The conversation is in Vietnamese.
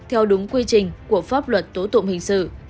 theo đúng quy trình của pháp luật tố tụng hình sự